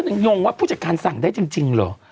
ยังงงว่าผู้จัดการสั่งได้จริงเหรอ